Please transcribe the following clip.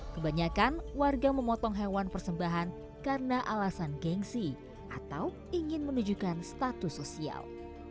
kebanyakan warga memotong hewan persembahan karena alasan gengsi atau ingin menunjukkan status sosial